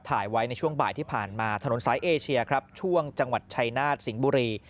ถ่ายไว้ในช่วงบ่ายที่ผ่านมาถนนสายเอเชียครับช่วงจังหวัดชัยนาฏสิงห์บุรี